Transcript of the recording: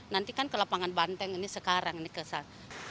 nanti kan ke lapangan banteng ini sekarang ini kesan